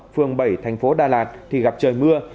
phường bảy thành phố đà lạt thì gặp trời mưa